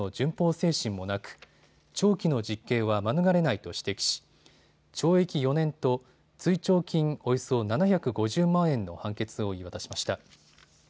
精神もなく長期の実刑は免れないと指摘し懲役４年と追徴金およそ７５０万円の判決を言い渡しました。